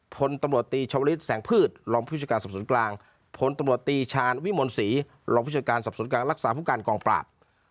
ผลตำรวจตีชวริสแสงพืชรองพิจารณ์สอบสวนกลางผลตำรวจตีชาญวิมนศรีรองพิจารณ์สอบสวนกลางรักษาภูมิการกองปราบ